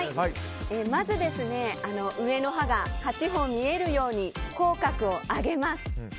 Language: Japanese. まず上の歯が８本見えるように口角を上げます。